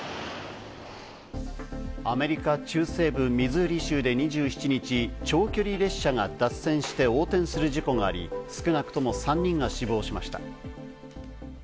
アメリカ中西部ミズーリ州で２７日、長距離列車が脱線して横転する事故があり、少なくとも３人が死亡しました。